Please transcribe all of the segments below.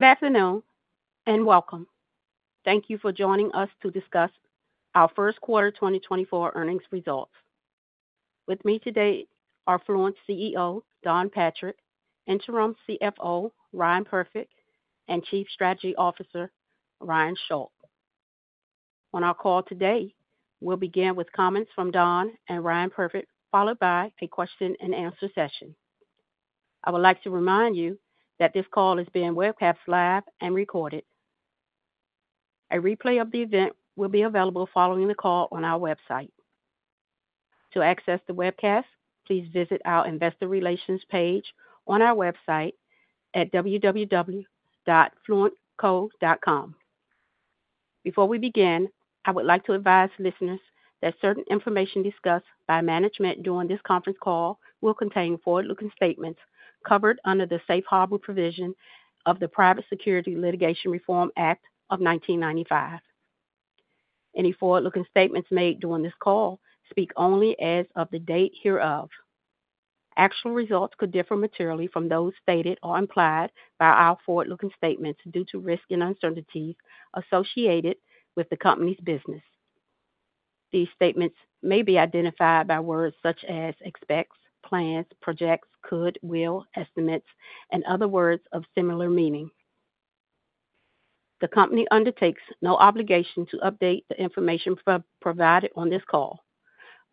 Good afternoon, and welcome. Thank you for joining us to discuss our first quarter 2024 earnings results. With me today are Fluent's CEO, Don Patrick, Interim CFO, Ryan Perfit, and Chief Strategy Officer, Ryan Schulke. On our call today, we'll begin with comments from Don and Ryan Perfit, followed by a question and answer session. I would like to remind you that this call is being webcast live and recorded. A replay of the event will be available following the call on our website. To access the webcast, please visit our Investor Relations page on our website at www.fluentco.com. Before we begin, I would like to advise listeners that certain information discussed by management during this conference call will contain forward-looking statements covered under the safe harbor provision of the Private Securities Litigation Reform Act of 1995. Any forward-looking statements made during this call speak only as of the date hereof. Actual results could differ materially from those stated or implied by our forward-looking statements due to risks and uncertainties associated with the company's business. These statements may be identified by words such as expects, plans, projects, could, will, estimates, and other words of similar meaning. The company undertakes no obligation to update the information provided on this call.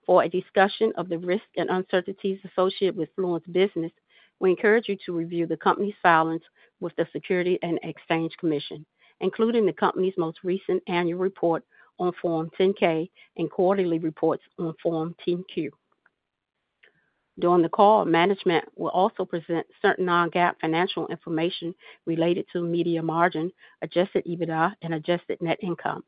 For a discussion of the risks and uncertainties associated with Fluent's business, we encourage you to review the company's filings with the Securities and Exchange Commission, including the company's most recent annual report on Form 10-K and quarterly reports on Form 10-Q. During the call, management will also present certain non-GAAP financial information related to media margin, adjusted EBITDA, and adjusted net income.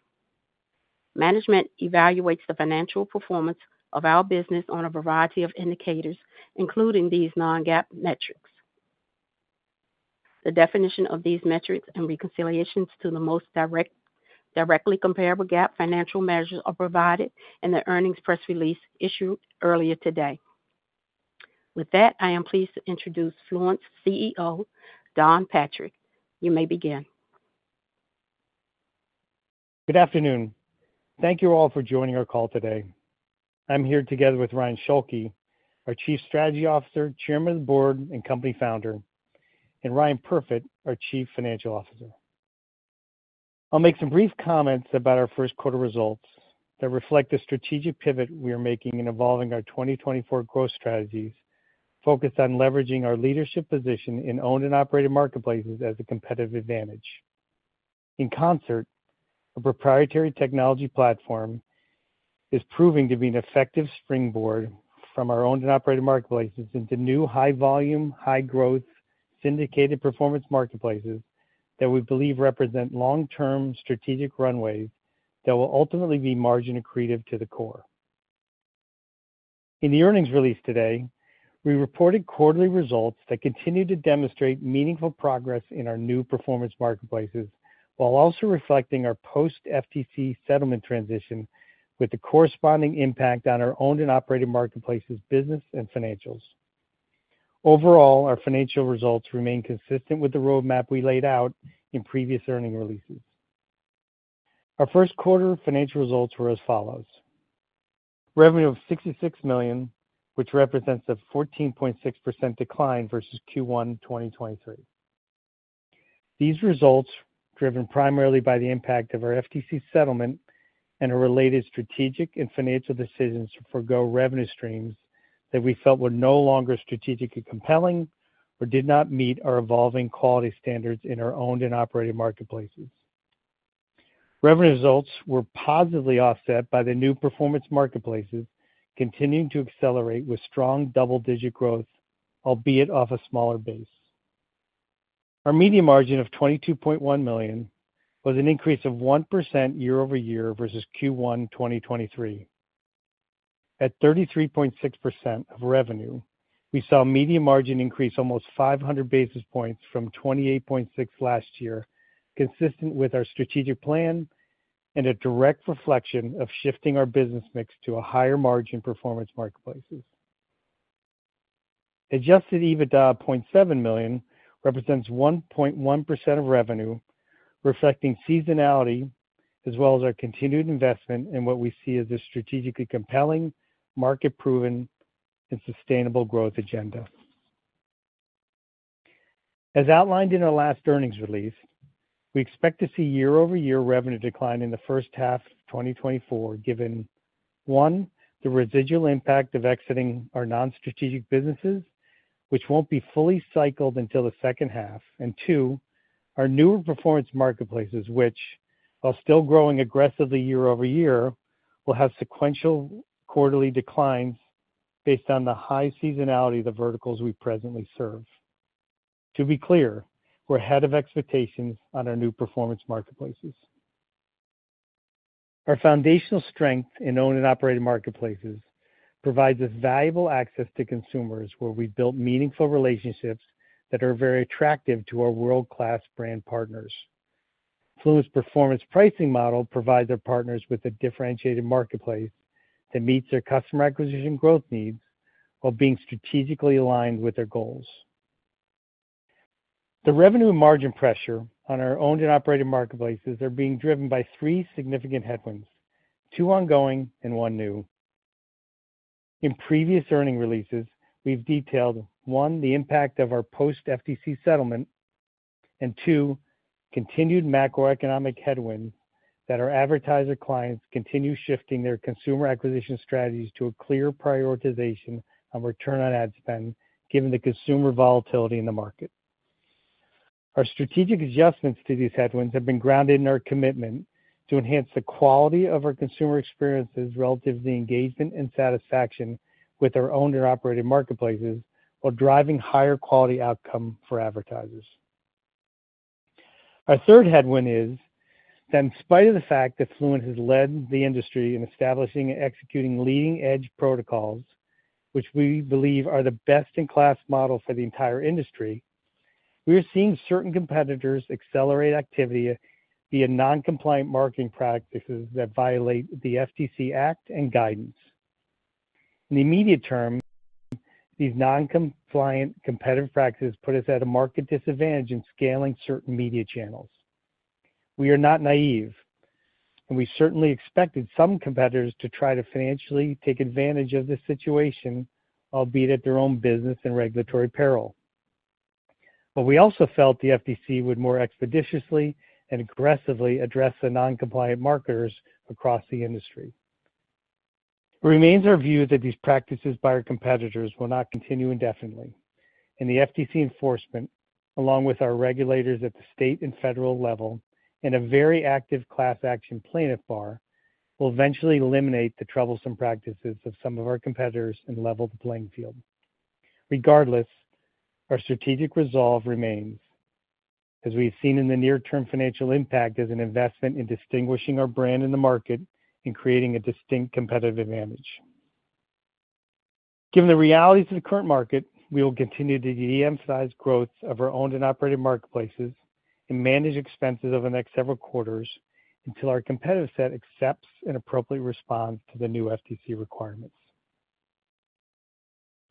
Management evaluates the financial performance of our business on a variety of indicators, including these non-GAAP metrics. The definition of these metrics and reconciliations to the most directly comparable GAAP financial measures are provided in the earnings press release issued earlier today. With that, I am pleased to introduce Fluent's CEO, Don Patrick. You may begin. Good afternoon. Thank you all for joining our call today. I'm here together with Ryan Schulke, our Chief Strategy Officer, Chairman of the Board, and Company Founder, and Ryan Perfit, our Chief Financial Officer. I'll make some brief comments about our first quarter results that reflect the strategic pivot we are making in evolving our 2024 growth strategies, focused on leveraging our leadership position in owned and operated marketplaces as a competitive advantage. In concert, a proprietary technology platform is proving to be an effective springboard from our owned and operated marketplaces into new, high volume, high growth, syndicated performance marketplaces that we believe represent long-term strategic runways that will ultimately be margin accretive to the core. In the earnings release today, we reported quarterly results that continue to demonstrate meaningful progress in our new performance marketplaces, while also reflecting our post FTC settlement transition with the corresponding impact on our owned and operated marketplaces, business, and financials. Overall, our financial results remain consistent with the roadmap we laid out in previous earnings releases. Our first quarter financial results were as follows: Revenue of $66 million, which represents a 14.6% decline versus Q1 2023. These results, driven primarily by the impact of our FTC settlement and our related strategic and financial decisions to forgo revenue streams that we felt were no longer strategically compelling or did not meet our evolving quality standards in our owned and operated marketplaces. Revenue results were positively offset by the new performance marketplaces, continuing to accelerate with strong double-digit growth, albeit off a smaller base. Our media margin of $22.1 million was an increase of 1% year-over-year versus Q1 2023. At 33.6% of revenue, we saw media margin increase almost 500 basis points from 28.6 last year, consistent with our strategic plan and a direct reflection of shifting our business mix to a higher margin performance marketplaces. Adjusted EBITDA of $0.7 million represents 1.1% of revenue, reflecting seasonality as well as our continued investment in what we see as a strategically compelling, market-proven, and sustainable growth agenda. As outlined in our last earnings release, we expect to see year-over-year revenue decline in the first half of 2024, given, one, the residual impact of exiting our non-strategic businesses, which won't be fully cycled until the second half. And two, our new performance marketplaces, which, while still growing aggressively year-over-year, will have sequential quarterly declines based on the high seasonality of the verticals we presently serve. To be clear, we're ahead of expectations on our new performance marketplaces. Our foundational strength in owned and operated marketplaces provides us valuable access to consumers, where we've built meaningful relationships that are very attractive to our world-class brand partners.... Fluent's performance pricing model provides their partners with a differentiated marketplace that meets their customer acquisition growth needs, while being strategically aligned with their goals. The revenue and margin pressure on our owned and operated marketplaces are being driven by three significant headwinds, two ongoing and one new. In previous earnings releases, we've detailed, one, the impact of our post FTC settlement, and two, continued macroeconomic headwind, that our advertiser clients continue shifting their consumer acquisition strategies to a clear prioritization on return on ad spend, given the consumer volatility in the market. Our strategic adjustments to these headwinds have been grounded in our commitment to enhance the quality of our consumer experiences relative to the engagement and satisfaction with our owned and operated marketplaces, while driving higher quality outcome for advertisers. Our third headwind is that in spite of the fact that Fluent has led the industry in establishing and executing leading-edge protocols, which we believe are the best-in-class model for the entire industry, we are seeing certain competitors accelerate activity via non-compliant marketing practices that violate the FTC Act and guidance. In the immediate term, these non-compliant competitive practices put us at a market disadvantage in scaling certain media channels. We are not naive, and we certainly expected some competitors to try to financially take advantage of this situation, albeit at their own business and regulatory peril. But we also felt the FTC would more expeditiously and aggressively address the non-compliant marketers across the industry. It remains our view that these practices by our competitors will not continue indefinitely, and the FTC enforcement, along with our regulators at the state and federal level, and a very active class action plaintiff bar, will eventually eliminate the troublesome practices of some of our competitors and level the playing field. Regardless, our strategic resolve remains, as we've seen in the near-term financial impact, as an investment in distinguishing our brand in the market and creating a distinct competitive advantage. Given the realities of the current market, we will continue to de-emphasize growth of our owned and operated marketplaces and manage expenses over the next several quarters until our competitive set accepts and appropriately responds to the new FTC requirements.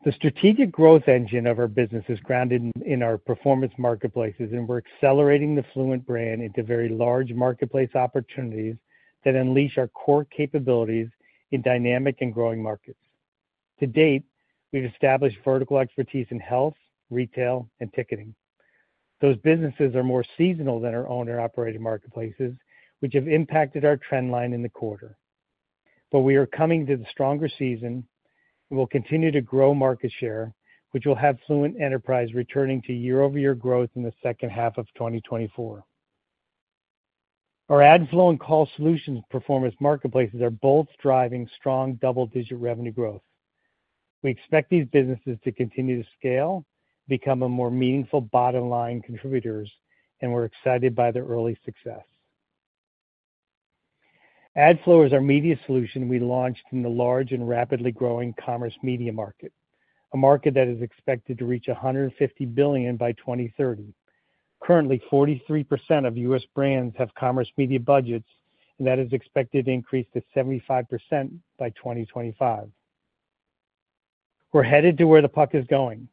The strategic growth engine of our business is grounded in our performance marketplaces, and we're accelerating the Fluent brand into very large marketplace opportunities that unleash our core capabilities in dynamic and growing markets. To date, we've established vertical expertise in health, retail, and ticketing. Those businesses are more seasonal than our owned and operated marketplaces, which have impacted our trend line in the quarter. But we are coming to the stronger season and will continue to grow market share, which will have Fluent enterprise returning to year-over-year growth in the second half of 2024. Our AdFlow and Call Solutions performance marketplaces are both driving strong double-digit revenue growth. We expect these businesses to continue to scale, become a more meaningful bottom-line contributors, and we're excited by their early success. AdFlow is our media solution we launched in the large and rapidly growing commerce media market, a market that is expected to reach $150 billion by 2030. Currently, 43% of U.S. brands have commerce media budgets, and that is expected to increase to 75% by 2025. We're headed to where the puck is going,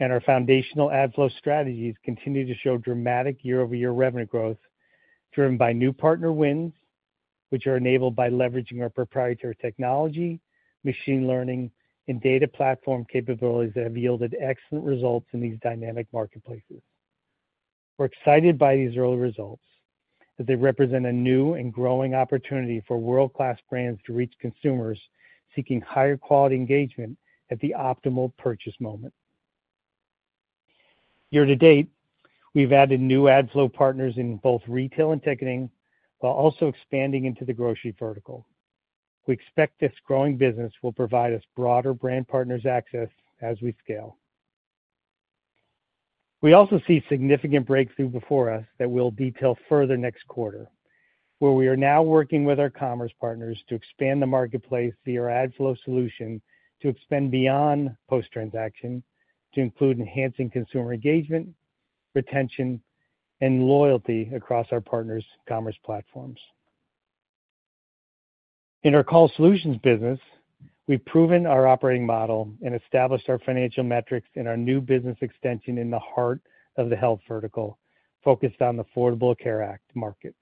and our foundational AdFlow strategies continue to show dramatic year-over-year revenue growth, driven by new partner wins, which are enabled by leveraging our proprietary technology, machine learning, and data platform capabilities that have yielded excellent results in these dynamic marketplaces. We're excited by these early results, as they represent a new and growing opportunity for world-class brands to reach consumers seeking higher quality engagement at the optimal purchase moment. Year-to-date, we've added new AdFlow partners in both retail and ticketing, while also expanding into the grocery vertical. We expect this growing business will provide us broader brand partners access as we scale. We also see significant breakthrough before us that we'll detail further next quarter, where we are now working with our commerce partners to expand the marketplace via our AdFlow solution to expand beyond post-transaction, to include enhancing consumer engagement, retention, and loyalty across our partners' commerce platforms. In our Call Solutions business, we've proven our operating model and established our financial metrics in our new business extension in the heart of the health vertical, focused on the Affordable Care Act market.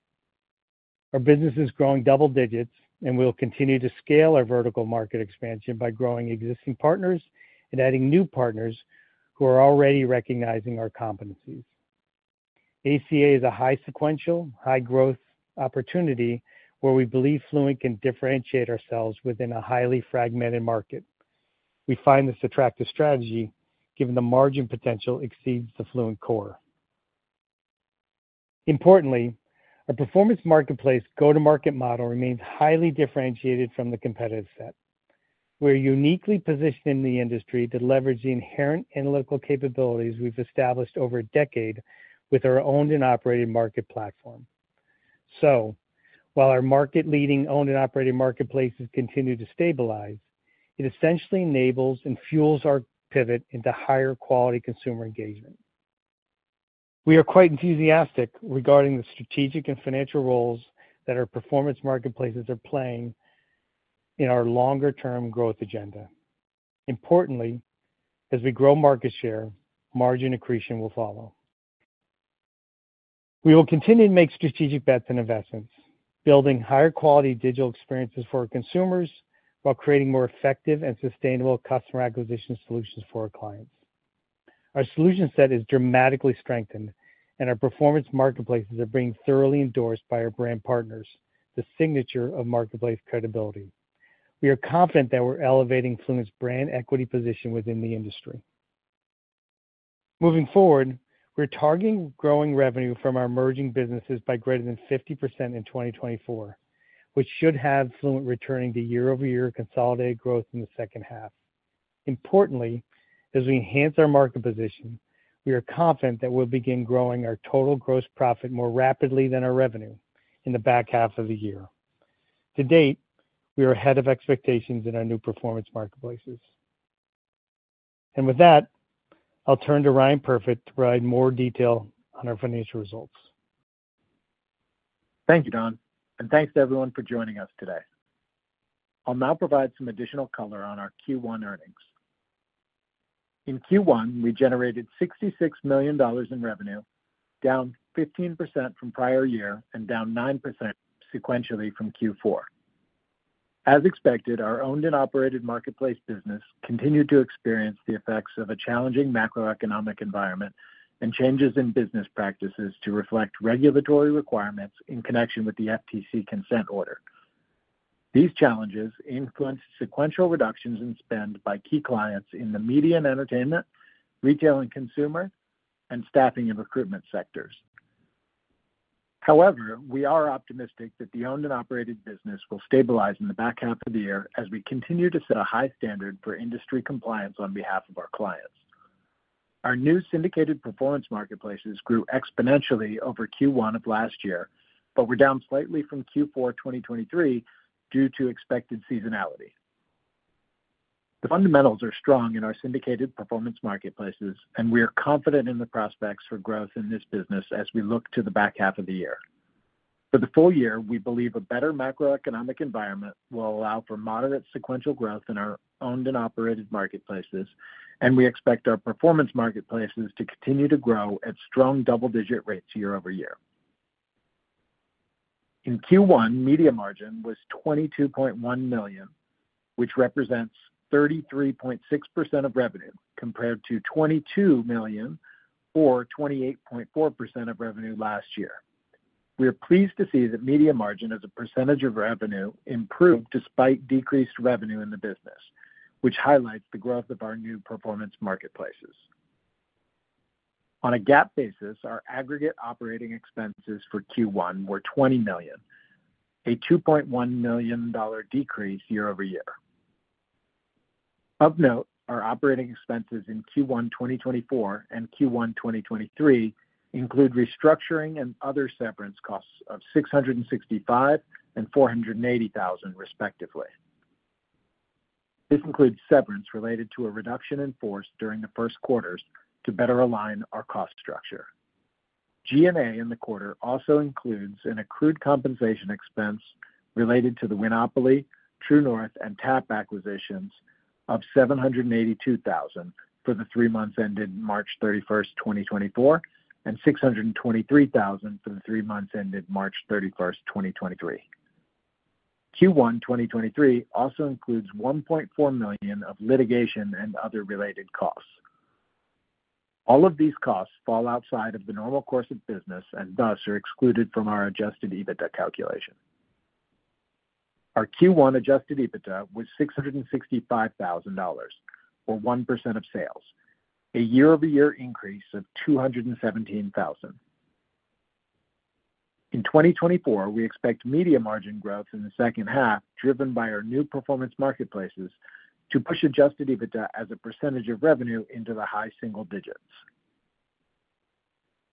Our business is growing double digits, and we will continue to scale our vertical market expansion by growing existing partners and adding new partners who are already recognizing our competencies. ACA is a high sequential, high-growth opportunity where we believe Fluent can differentiate ourselves within a highly fragmented market. We find this attractive strategy, given the margin potential, exceeds the Fluent core. Importantly, our performance marketplace go-to-market model remains highly differentiated from the competitive set. We're uniquely positioned in the industry to leverage the inherent analytical capabilities we've established over a decade with our owned and operated market platform. So while our market-leading owned and operated marketplaces continue to stabilize.... It essentially enables and fuels our pivot into higher quality consumer engagement. We are quite enthusiastic regarding the strategic and financial roles that our performance marketplaces are playing in our longer-term growth agenda. Importantly, as we grow market share, margin accretion will follow. We will continue to make strategic bets and investments, building higher quality digital experiences for our consumers, while creating more effective and sustainable customer acquisition solutions for our clients. Our solution set is dramatically strengthened, and our performance marketplaces are being thoroughly endorsed by our brand partners, the signature of marketplace credibility. We are confident that we're elevating Fluent's brand equity position within the industry. Moving forward, we're targeting growing revenue from our emerging businesses by greater than 50% in 2024, which should have Fluent returning to year-over-year consolidated growth in the second half. Importantly, as we enhance our market position, we are confident that we'll begin growing our total gross profit more rapidly than our revenue in the back half of the year. To date, we are ahead of expectations in our new performance marketplaces. With that, I'll turn to Ryan Perfit to provide more detail on our financial results. Thank you, Don, and thanks to everyone for joining us today. I'll now provide some additional color on our Q1 earnings. In Q1, we generated $66 million in revenue, down 15% from prior year and down 9% sequentially from Q4. As expected, our owned and operated marketplace business continued to experience the effects of a challenging macroeconomic environment and changes in business practices to reflect regulatory requirements in connection with the FTC consent order. These challenges influenced sequential reductions in spend by key clients in the media and entertainment, retail and consumer, and staffing and recruitment sectors. However, we are optimistic that the owned and operated business will stabilize in the back half of the year as we continue to set a high standard for industry compliance on behalf of our clients. Our new syndicated performance marketplaces grew exponentially over Q1 of last year, but were down slightly from Q4 2023 due to expected seasonality. The fundamentals are strong in our syndicated performance marketplaces, and we are confident in the prospects for growth in this business as we look to the back half of the year. For the full year, we believe a better macroeconomic environment will allow for moderate sequential growth in our owned and operated marketplaces, and we expect our performance marketplaces to continue to grow at strong double-digit rates year-over-year. In Q1, media margin was $22.1 million, which represents 33.6% of revenue, compared to $22 million, or 28.4% of revenue last year. We are pleased to see that media margin as a percentage of revenue improved despite decreased revenue in the business, which highlights the growth of our new performance marketplaces. On a GAAP basis, our aggregate operating expenses for Q1 were $20 million, a $2.1 million decrease year-over-year. Of note, our operating expenses in Q1 2024 and Q1 2023 include restructuring and other severance costs of $665,000 and $480,000, respectively. This includes severance related to a reduction in force during the first quarters to better align our cost structure. GNA in the quarter also includes an accrued compensation expense related to the Winopoly, True North, and TAP acquisitions of $782,000 for the three months ended March 31st, 2024, and $623,000 for the three months ended March 31st, 2023. Q1 2023 also includes $1.4 million of litigation and other related costs. All of these costs fall outside of the normal course of business and thus are excluded from our Adjusted EBITDA calculation. Our Q1 Adjusted EBITDA was $665,000, or 1% of sales, a year-over-year increase of $217,000. In 2024, we expect media margin growth in the second half, driven by our new performance marketplaces, to push Adjusted EBITDA as a percentage of revenue into the high single digits.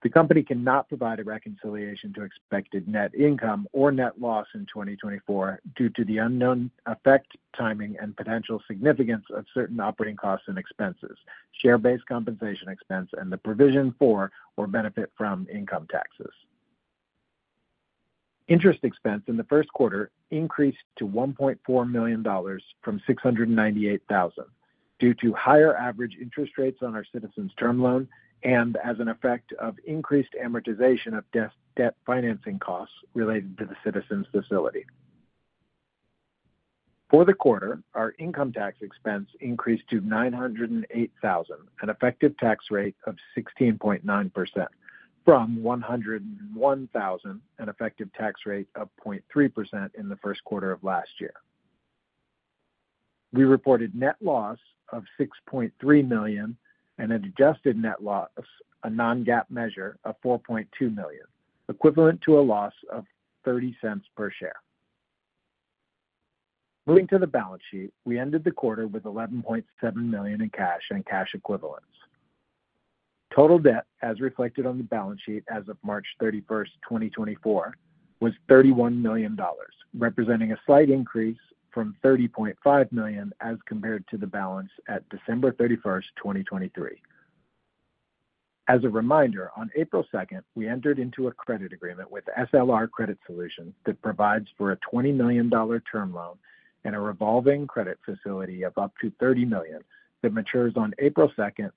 The company cannot provide a reconciliation to expected net income or net loss in 2024 due to the unknown effect, timing, and potential significance of certain operating costs and expenses, share-based compensation expense, and the provision for or benefit from income taxes. Interest expense in the first quarter increased to $1.4 million from $698,000 due to higher average interest rates on our Citizens term loan and as an effect of increased amortization of debt financing costs related to the Citizens facility. For the quarter, our income tax expense increased to $908,000, an effective tax rate of 16.9%, from $101,000, an effective tax rate of 0.3% in the first quarter of last year. We reported net loss of $6.3 million and adjusted net loss, a non-GAAP measure, of $4.2 million, equivalent to a loss of $0.30 per share. Moving to the balance sheet, we ended the quarter with $11.7 million in cash and cash equivalents. ...Total debt, as reflected on the balance sheet as of March 31st, 2024, was $31 million, representing a slight increase from $30.5 million as compared to the balance at December 31st, 2023. As a reminder, on April 2nd, we entered into a credit agreement with SLR Credit Solutions that provides for a $20 million term loan and a revolving credit facility of up to $30 million, that matures on April 2nd,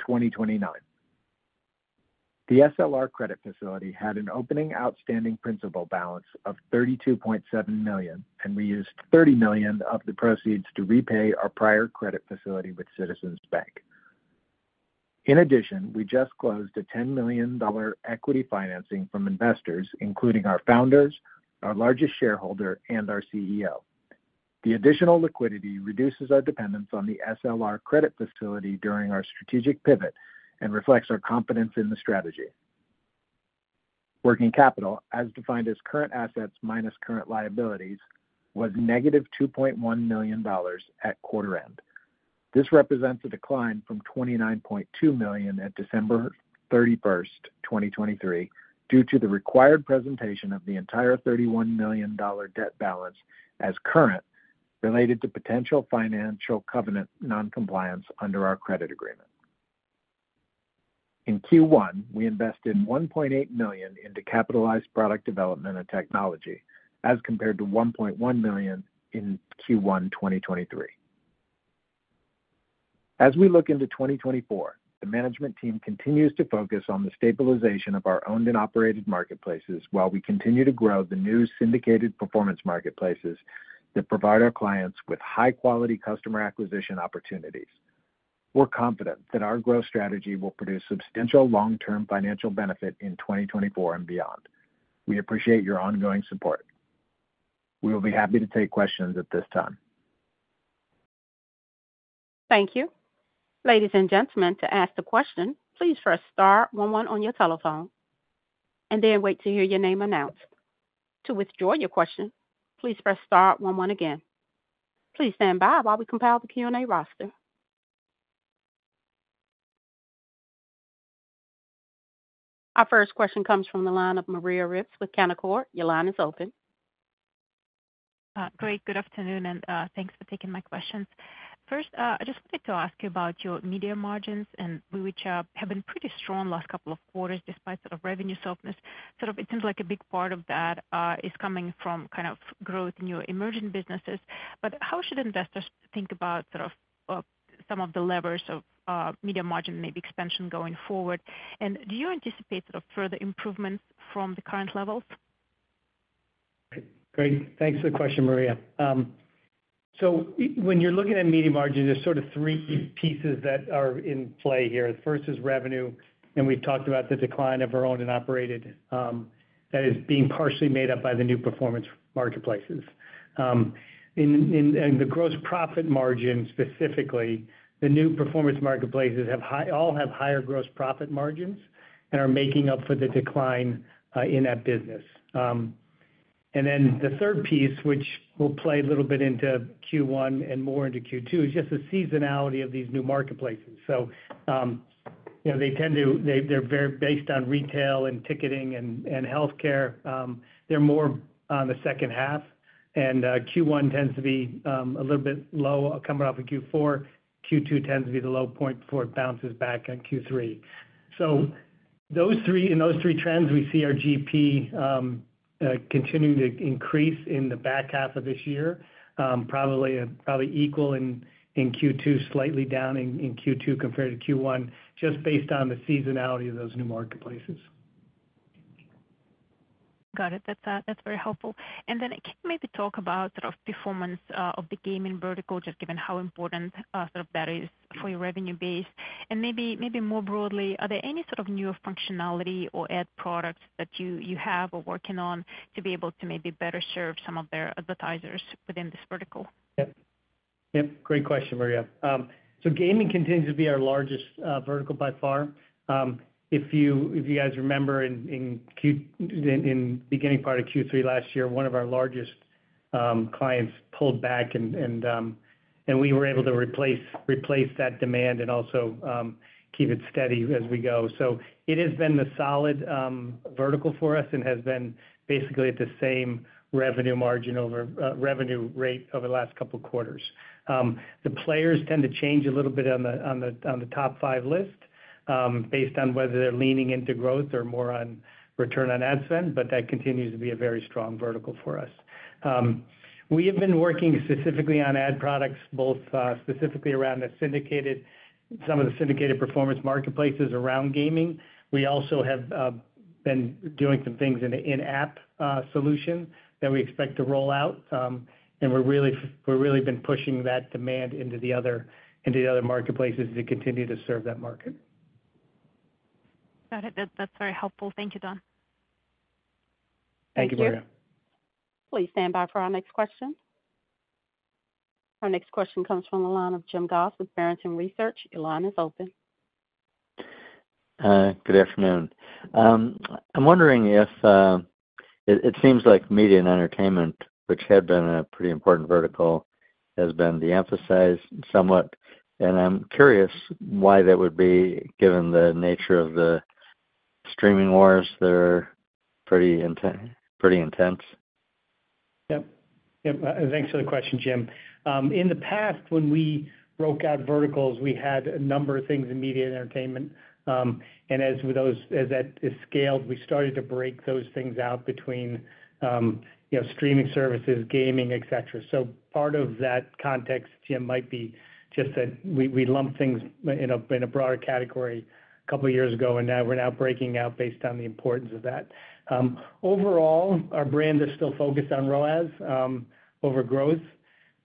2029. The SLR credit facility had an opening outstanding principal balance of $32.7 million, and we used $30 million of the proceeds to repay our prior credit facility with Citizens Bank. In addition, we just closed a $10 million equity financing from investors, including our founders, our largest shareholder, and our CEO. The additional liquidity reduces our dependence on the SLR credit facility during our strategic pivot and reflects our confidence in the strategy. Working capital, as defined as current assets minus current liabilities, was -$2.1 million at quarter end. This represents a decline from $29.2 million at December 31st, 2023, due to the required presentation of the entire $31 million debt balance as current, related to potential financial covenant non-compliance under our credit agreement. In Q1, we invested $1.8 million into capitalized product development and technology, as compared to $1.1 million in Q1 2023. As we look into 2024, the management team continues to focus on the stabilization of our owned and operated marketplaces, while we continue to grow the new syndicated performance marketplaces that provide our clients with high-quality customer acquisition opportunities. We're confident that our growth strategy will produce substantial long-term financial benefit in 2024 and beyond. We appreciate your ongoing support. We will be happy to take questions at this time. Thank you. Ladies and gentlemen, to ask a question, please press star one one on your telephone and then wait to hear your name announced. To withdraw your question, please press star one one again. Please stand by while we compile the Q&A roster. Our first question comes from the line of Maria Ripps with Canaccord. Your line is open. Great, good afternoon, and thanks for taking my questions. First, I just wanted to ask you about your media margins and which have been pretty strong last couple of quarters, despite sort of revenue softness. Sort of it seems like a big part of that is coming from kind of growth in your emerging businesses. But how should investors think about sort of some of the levers of media margin, maybe expansion going forward? And do you anticipate sort of further improvements from the current levels? Great. Thanks for the question, Maria. So when you're looking at media margins, there's sort of three pieces that are in play here. The first is revenue, and we've talked about the decline of our owned and operated, that is being partially made up by the new performance marketplaces. And the gross profit margin, specifically, the new performance marketplaces all have higher gross profit margins and are making up for the decline in that business. And then the third piece, which will play a little bit into Q1 and more into Q2, is just the seasonality of these new marketplaces. So, you know, they tend to, they're very based on retail and ticketing and healthcare. They're more on the second half, and Q1 tends to be a little bit low coming off of Q4. Q2 tends to be the low point before it bounces back at Q3. So those three, in those three trends, we see our GP continuing to increase in the back half of this year, probably, probably equal in, in Q2, slightly down in, in Q2 compared to Q1, just based on the seasonality of those new marketplaces. Got it. That's, that's very helpful. And then can you maybe talk about sort of performance of the gaming vertical, just given how important sort of that is for your revenue base? And maybe, maybe more broadly, are there any sort of new functionality or ad products that you, you have or working on to be able to maybe better serve some of their advertisers within this vertical? Yep. Yep, great question, Maria. So gaming continues to be our largest vertical by far. If you, if you guys remember, in the beginning part of Q3 last year, one of our largest clients pulled back and we were able to replace that demand and also keep it steady as we go. So it has been a solid vertical for us and has been basically at the same revenue margin over revenue rate over the last couple of quarters. The players tend to change a little bit on the top five list based on whether they're leaning into growth or more on return on ad spend, but that continues to be a very strong vertical for us. We have been working specifically on ad products, both specifically around the syndicated, some of the syndicated performance marketplaces around gaming. We also have been doing some things in the in-app solution that we expect to roll out. And we're really been pushing that demand into the other, into the other marketplaces to continue to serve that market. Got it. That, that's very helpful. Thank you, Don. Thank you, Maria. Please stand by for our next question. Our next question comes from the line of Jim Goss with Barrington Research. Your line is open. Good afternoon. I'm wondering if it seems like media and entertainment, which had been a pretty important vertical, has been de-emphasized somewhat, and I'm curious why that would be, given the nature of the streaming wars that are pretty intense? Yep. Yep, thanks for the question, Jim. In the past, when we broke out verticals, we had a number of things in media and entertainment. And as that scaled, we started to break those things out between, you know, streaming services, gaming, et cetera. So part of that context, Jim, might be just that we lump things in a broader category a couple years ago, and now we're breaking out based on the importance of that. Overall, our brands are still focused on ROAS over growth,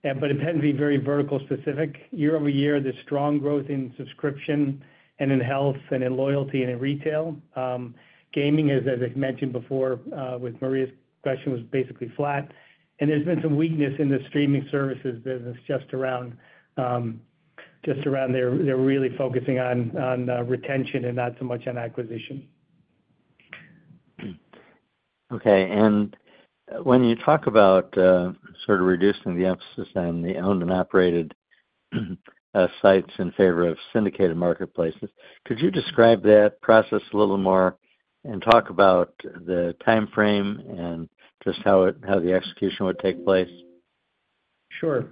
but it can be very vertical specific. Year-over-year, there's strong growth in subscription and in health and in loyalty and in retail. Gaming, as I mentioned before, with Maria's question, was basically flat. There's been some weakness in the streaming services business just around there. They're really focusing on retention and not so much on acquisition. Okay. When you talk about sort of reducing the emphasis on the owned and operated sites in favor of syndicated marketplaces, could you describe that process a little more and talk about the timeframe and just how the execution would take place? Sure.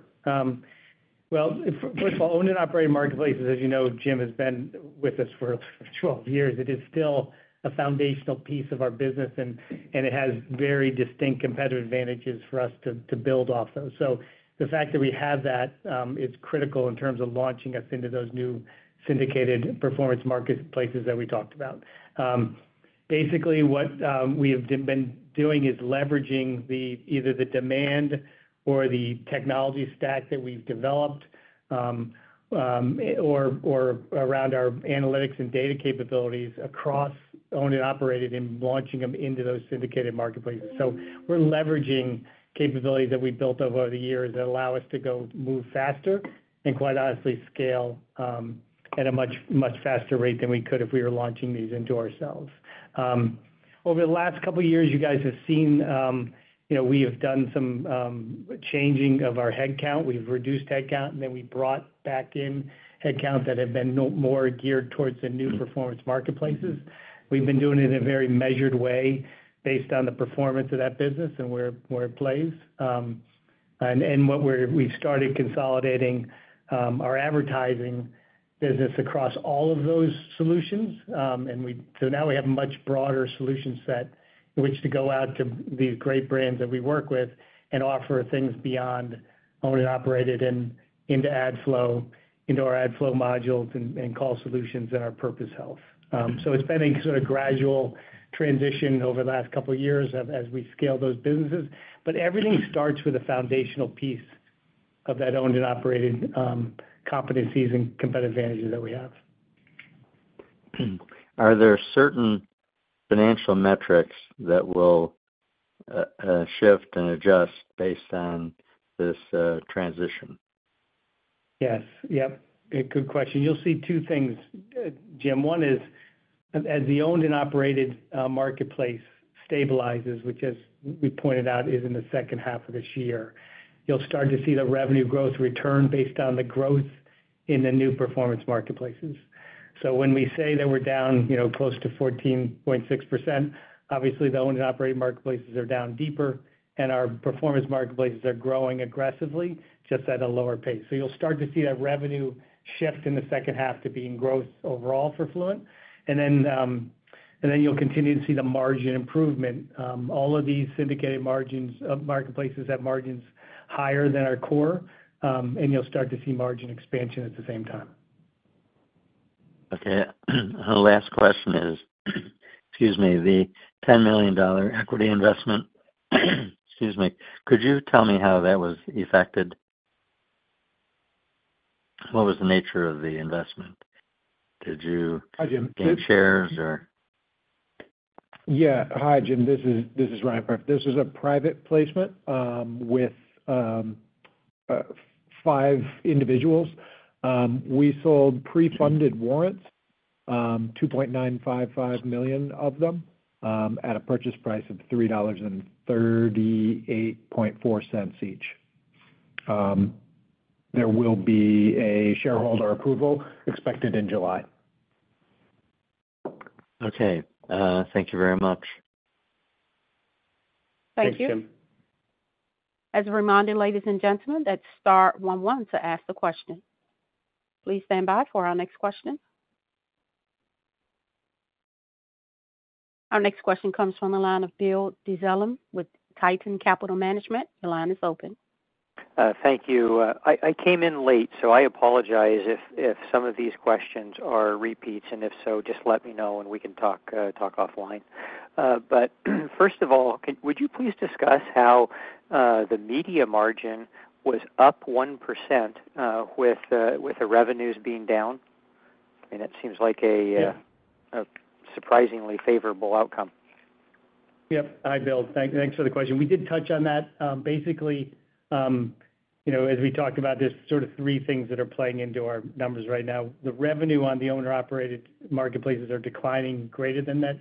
Well, first of all, Owned and Operated Marketplaces, as you know, Jim, has been with us for 12 years. It is still a foundational piece of our business, and, and it has very distinct competitive advantages for us to, to build off those. So the fact that we have that, is critical in terms of launching us into those new syndicated performance marketplaces that we talked about. Basically, what we have been doing is leveraging the, either the demand or the technology stack that we've developed, or, or around our analytics and data capabilities across owned and operated and launching them into those syndicated marketplaces. So we're leveraging capabilities that we've built over the years that allow us to go, move faster and, quite honestly, scale at a much, much faster rate than we could if we were launching these into ourselves. Over the last couple of years, you guys have seen, you know, we have done some changing of our headcount. We've reduced headcount, and then we brought back in headcount that have been now more geared towards the new performance marketplaces. We've been doing it in a very measured way based on the performance of that business and where, where it plays. And what we've started consolidating our advertising business across all of those solutions. So now we have a much broader solution set in which to go out to these great brands that we work with and offer things beyond owned and operated and into AdFlow, into our AdFlow modules and Call Solutions and our Purpose Health. So it's been a sort of gradual transition over the last couple of years as we scale those businesses. But everything starts with a foundational piece of that owned and operated competencies and competitive advantages that we have. Are there certain financial metrics that will shift and adjust based on this transition? Yes. Yep. A good question. You'll see two things, Jim. One is, as, as the owned and operated marketplace stabilizes, which, as we pointed out, is in the second half of this year, you'll start to see the revenue growth return based on the growth in the new performance marketplaces. So when we say that we're down, you know, close to 14.6%, obviously, the owned and operated marketplaces are down deeper, and our performance marketplaces are growing aggressively, just at a lower pace. So you'll start to see that revenue shift in the second half to be in growth overall for Fluent. And then, and then you'll continue to see the margin improvement. All of these syndicated margins, marketplaces have margins higher than our core, and you'll start to see margin expansion at the same time. Okay. The last question is, excuse me, the $10 million equity investment, excuse me, could you tell me how that was effected? What was the nature of the investment? Did you- Hi, Jim. regain shares or? Yeah. Hi, Jim. This is Ryan Perfit. This is a private placement with five individuals. We sold pre-funded warrants, 2.955 million of them, at a purchase price of $3.384 each. There will be a shareholder approval expected in July. Okay, thank you very much. Thank you. Thank you. As a reminder, ladies and gentlemen, that's star one one to ask the question. Please stand by for our next question. Our next question comes from the line of Bill Dezellem with Tieton Capital Management. Your line is open. Thank you. I came in late, so I apologize if some of these questions are repeats, and if so, just let me know, and we can talk offline. But first of all, would you please discuss how the media margin was up 1% with the revenues being down? I mean, that seems like a Yeah... a surprisingly favorable outcome. Yep. Hi, Bill. Thank, thanks for the question. We did touch on that. Basically, you know, as we talked about, there's sort of three things that are playing into our numbers right now. The revenue on the owned and operated marketplaces are declining greater than that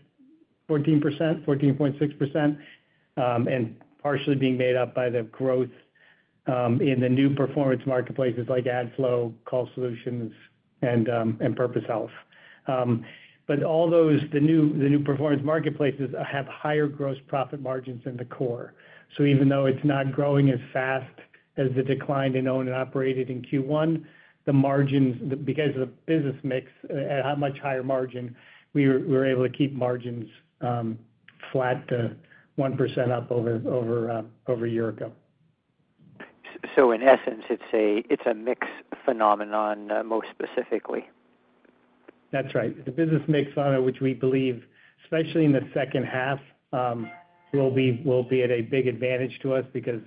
14%, 14.6%, and partially being made up by the growth in the new performance marketplaces like AdFlow, Call Solutions, and Purpose Health. But all those, the new performance marketplaces have higher gross profit margins than the core. So even though it's not growing as fast as the decline in owned and operated in Q1, the margins, because the business mix at a much higher margin, we're able to keep margins flat to 1% up over a year ago. So in essence, it's a, it's a mix phenomenon, most specifically? That's right. The business mix model, which we believe, especially in the second half, will be, will be at a big advantage to us because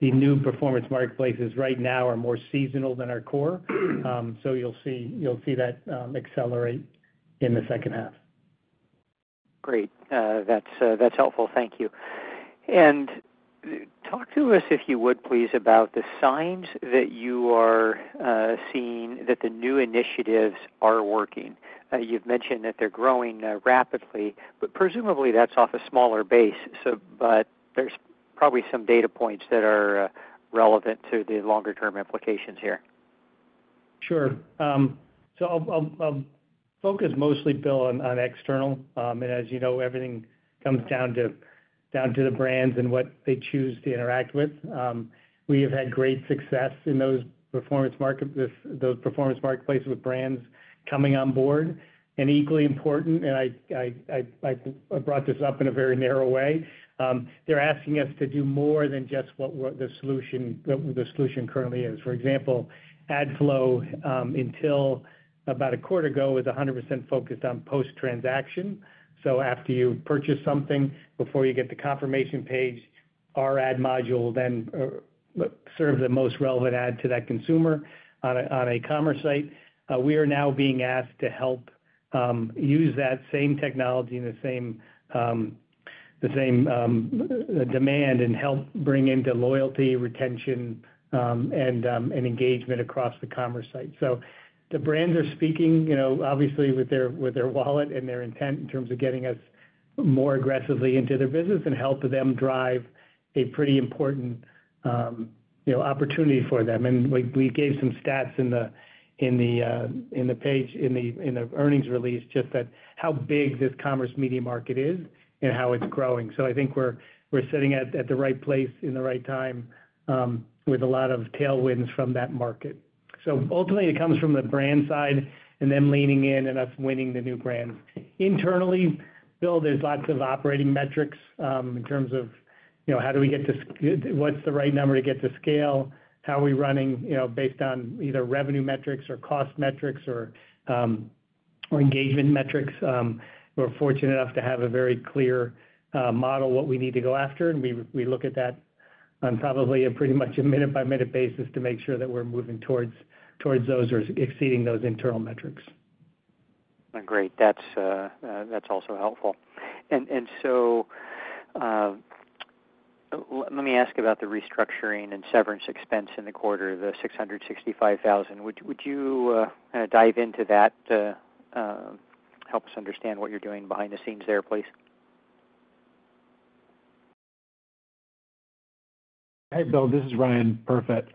the new performance marketplaces right now are more seasonal than our core. So you'll see, you'll see that, accelerate in the second half. Great. That's helpful. Thank you. And talk to us, if you would, please, about the signs that you are seeing that the new initiatives are working. You've mentioned that they're growing rapidly, but presumably, that's off a smaller base. But there's probably some data points that are relevant to the longer-term implications here. Sure. So I'll focus mostly, Bill, on external. And as you know, everything comes down to the brands and what they choose to interact with. We have had great success in those performance marketplaces with brands coming on board. And equally important, I brought this up in a very narrow way. They're asking us to do more than just what we're the solution, what the solution currently is. For example, AdFlow, until about a quarter ago, was 100% focused on post-transaction. So after you purchase something, before you get the confirmation page, our ad module then serves the most relevant ad to that consumer on a commerce site. We are now being asked to help use that same technology and the same demand and help bring into loyalty, retention, and engagement across the commerce site. So the brands are speaking, you know, obviously with their wallet and their intent in terms of getting us more aggressively into their business and help them drive a pretty important, you know, opportunity for them. We gave some stats in the earnings release, just that how big this commerce media market is and how it's growing. So I think we're sitting at the right place in the right time with a lot of tailwinds from that market. So ultimately, it comes from the brand side and them leaning in and us winning the new brands. Internally, Bill, there's lots of operating metrics in terms of, you know, how do we get to what's the right number to get to scale? How are we running, you know, based on either revenue metrics or cost metrics or or engagement metrics? We're fortunate enough to have a very clear model, what we need to go after, and we, we look at that on probably a pretty much a minute-by-minute basis to make sure that we're moving towards, towards those or exceeding those internal metrics. Great. That's, that's also helpful. And so, let me ask about the restructuring and severance expense in the quarter, the $665,000. Would you kind of dive into that to help us understand what you're doing behind the scenes there, please? Hey, Bill, this is Ryan. Perfect.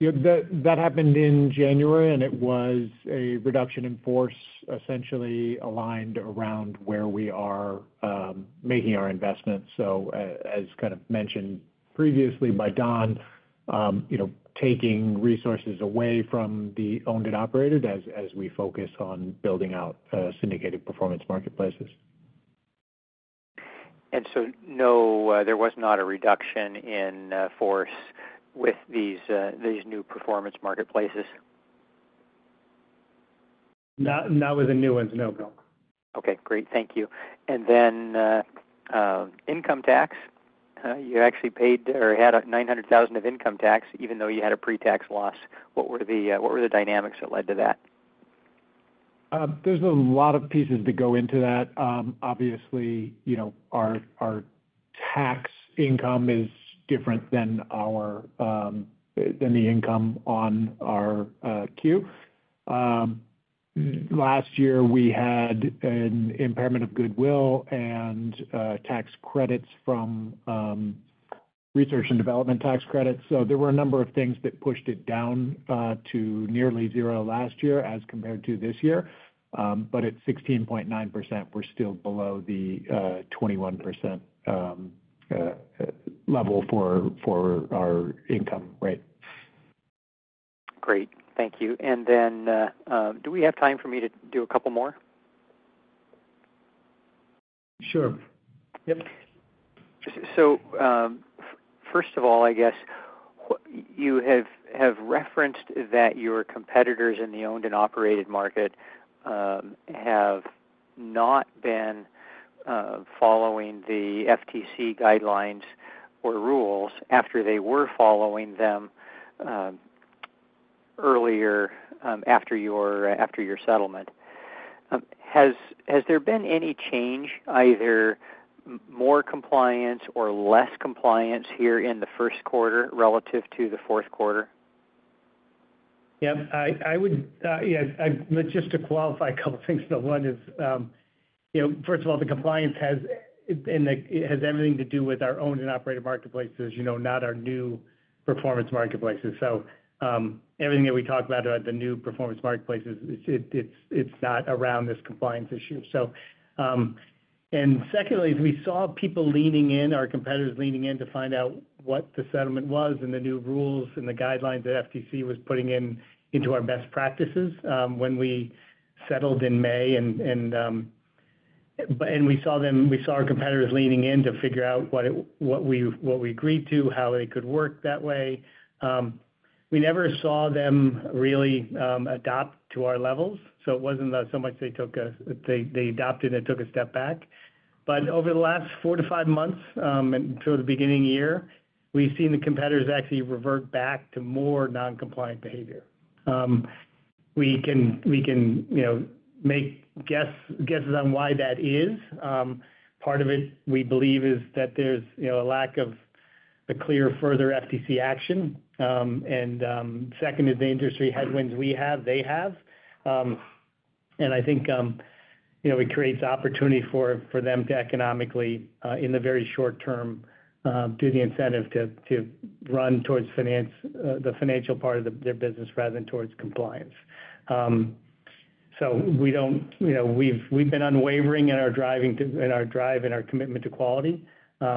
Yeah, that, that happened in January, and it was a reduction in force, essentially aligned around where we are making our investments. So as kind of mentioned previously by Don, you know, taking resources away from the owned and operated as we focus on building out syndicated performance marketplaces. And so, no, there was not a reduction in force with these new performance marketplaces? Not, not with the new ones. No, Bill. Okay, great. Thank you. And then, income tax, you actually paid or had $900,000 of income tax, even though you had a pre-tax loss. What were the dynamics that led to that? There's a lot of pieces that go into that. Obviously, you know, our tax income is different than the income on our Q. Last year, we had an impairment of goodwill and tax credits from research and development tax credits. So there were a number of things that pushed it down to nearly zero last year as compared to this year. But at 16.9%, we're still below the 21% level for our income rate. Great. Thank you. And then, do we have time for me to do a couple more? Sure. Yep. So, first of all, I guess, what you have referenced that your competitors in the owned and operated market have not been following the FTC guidelines or rules after they were following them earlier, after your settlement. Has there been any change, either more compliance or less compliance here in the first quarter relative to the fourth quarter? Yep, I would, yeah, just to qualify a couple things, the one is, you know, first of all, the compliance has, and it, it has everything to do with our owned and operated marketplaces, you know, not our new performance marketplaces. So, and secondly, we saw people leaning in, our competitors leaning in to find out what the settlement was and the new rules and the guidelines the FTC was putting in into our best practices, when we settled in May. And we saw them, we saw our competitors leaning in to figure out what it, what we, what we agreed to, how they could work that way. We never saw them really adapt to our levels, so it wasn't so much they took a step back. They adapted and took a step back. But over the last 4-5 months and since the beginning of the year, we've seen the competitors actually revert back to more non-compliant behavior. We can, you know, make guesses on why that is. Part of it, we believe, is that there's, you know, a lack of a clear further FTC action. And second is the industry headwinds we have, they have. And I think, you know, it creates opportunity for them to economically, in the very short term, have the incentive to run towards the financial part of their business rather than towards compliance. So we don't... You know, we've, we've been unwavering in our drive and our commitment to quality.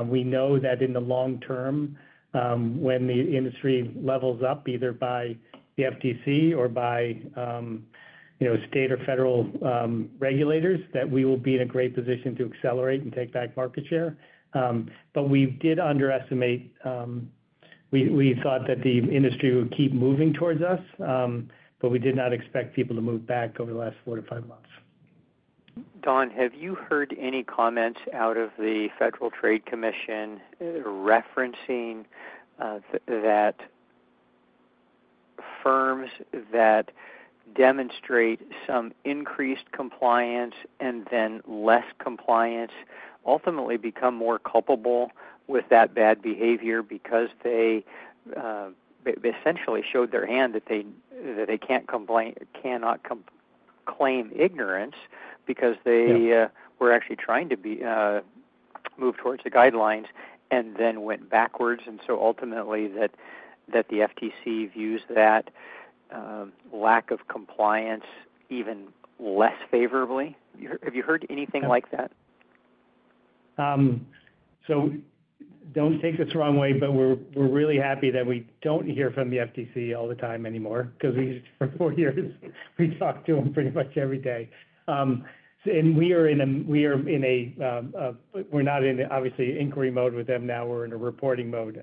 We know that in the long term, when the industry levels up, either by the FTC or by, you know, state or federal regulators, that we will be in a great position to accelerate and take back market share. But we did underestimate... We, we thought that the industry would keep moving towards us, but we did not expect people to move back over the last 4-5 months. Don, have you heard any comments out of the Federal Trade Commission, referencing that firms that demonstrate some increased compliance and then less compliance ultimately become more culpable with that bad behavior? Because they, they essentially showed their hand that they, that they can't claim ignorance, because they- Yeah... were actually trying to be, move towards the guidelines and then went backwards, and so ultimately that the FTC views that lack of compliance even less favorably. Have you heard anything like that? So don't take this the wrong way, but we're really happy that we don't hear from the FTC all the time anymore, because we, for four years, we talked to them pretty much every day. And we are in a, we're not in, obviously, inquiry mode with them now, we're in a reporting mode.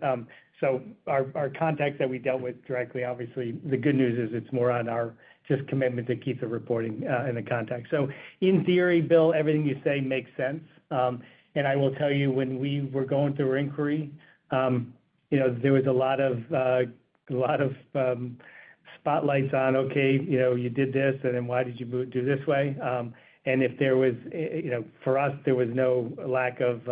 So our contacts that we dealt with directly, obviously, the good news is it's more on our just commitment to keep the reporting, and the contact. So in theory, Bill, everything you say makes sense. And I will tell you, when we were going through inquiry, you know, there was a lot of, a lot of, spotlights on, okay, you know, you did this, and then why did you do it this way? And if there was, you know, for us, there was no lack of,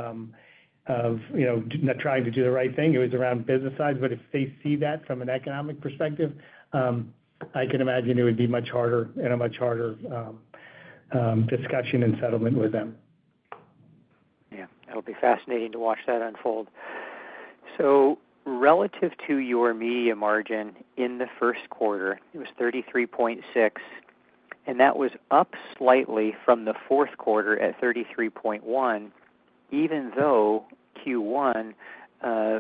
you know, not trying to do the right thing, it was around business side. But if they see that from an economic perspective, I can imagine it would be much harder and a much harder discussion and settlement with them. Yeah. It'll be fascinating to watch that unfold. So relative to your media margin in the first quarter, it was 33.6, and that was up slightly from the fourth quarter at 33.1, even though Q1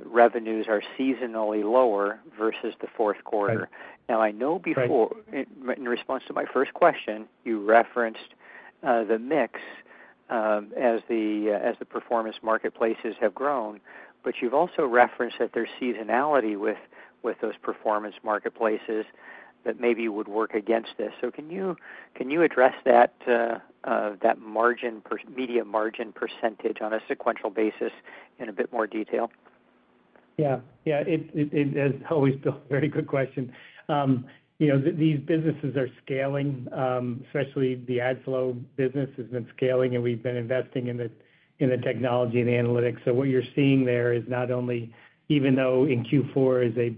revenues are seasonally lower versus the fourth quarter. Now, I know before- Right. In response to my first question, you referenced the mix as the performance marketplaces have grown, but you've also referenced that there's seasonality with those performance marketplaces that maybe would work against this. So can you address that media margin percentage on a sequential basis in a bit more detail? Yeah. Yeah, it is always, Bill, very good question. You know, these businesses are scaling, especially the AdFlow business has been scaling, and we've been investing in the technology and analytics. So what you're seeing there is not only even though in Q4 is a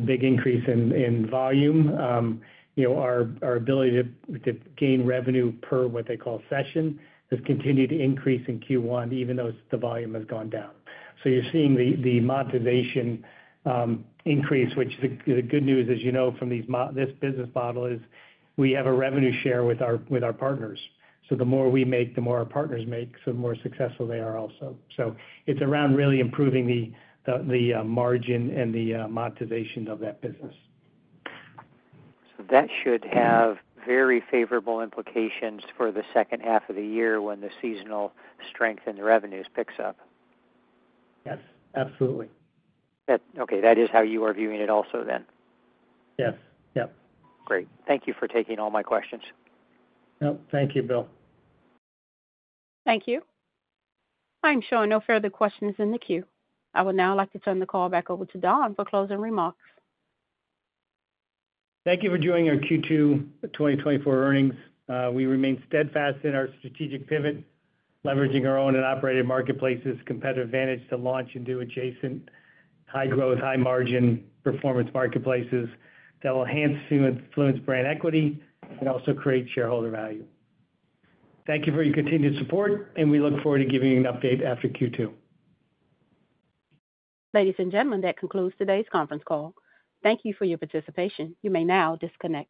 big increase in volume, you know, our ability to gain revenue per, what they call session, has continued to increase in Q1, even though the volume has gone down. So you're seeing the monetization increase, which the good news is, you know, from this business model is we have a revenue share with our partners. So the more we make, the more our partners make, so the more successful they are also. It's around really improving the margin and the monetization of that business. That should have very favorable implications for the second half of the year when the seasonal strength in the revenues picks up. Yes, absolutely. Okay, that is how you are viewing it also then? Yes. Yep. Great. Thank you for taking all my questions. Yep. Thank you, Bill. Thank you. I'm showing no further questions in the queue. I would now like to turn the call back over to Don for closing remarks. Thank you for joining our Q2 2024 earnings. We remain steadfast in our strategic pivot, leveraging our owned and operated marketplaces' competitive advantage to launch into adjacent high-growth, high-margin performance marketplaces that will enhance Fluent brand equity and also create shareholder value. Thank you for your continued support, and we look forward to giving you an update after Q2. Ladies and gentlemen, that concludes today's conference call. Thank you for your participation. You may now disconnect.